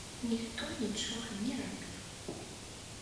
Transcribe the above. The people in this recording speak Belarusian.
Ніхто нічога не рабіў.